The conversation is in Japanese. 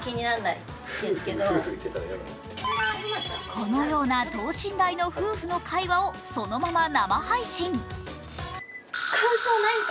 このような等身大の夫婦の会話をそのまま生配信。